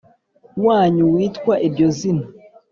Wanyu witwa iryo zina